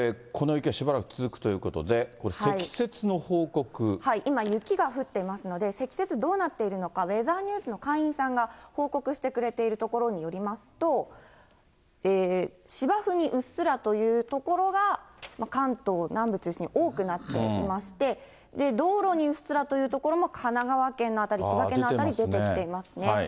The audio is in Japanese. この雪はしばらく続くということで、今、雪が降ってますので、積雪どうなっているのか、ウェザーニューズの会員さんが報告してくれているところによりますと、芝生にうっすらという所が、関東南部中心に多くなっていまして、道路にうっすらという所も、神奈川県の辺り、千葉県の辺りに出ていますね。